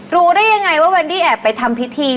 รู้ได้ยังไงว่าวันที่แอบไปทำพิธี